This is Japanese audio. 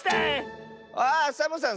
ああっサボさん